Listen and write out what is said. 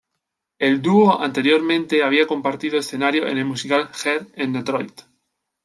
El dúo anteriormente había compartido escenario en el musical "Hair" en Detroit.